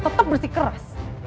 tetep bersih keras